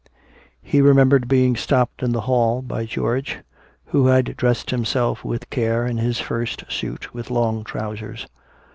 He remembered being stopped in the hall by George who had dressed himself with care in his first suit with long trousers.